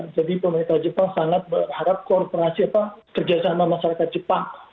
jadi pemerintah jepang sangat berharap kooperasi kerja sama masyarakat jepang